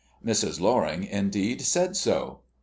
Mrs. Loring, indeed, said so.